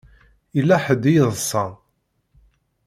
Yella ḥedd i yeḍsan.